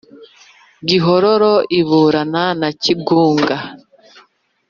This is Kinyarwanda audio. gihororo iburana na kigunga,